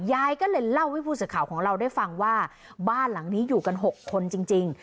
ยายก็เลยเล่าให้ผู้สื่อข่าวของเราได้ฟังว่าบ้านหลังนี้อยู่กัน๖คนจริง